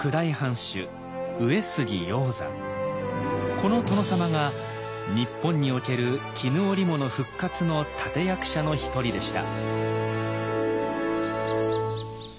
この殿様が日本における絹織物復活の立て役者の一人でした。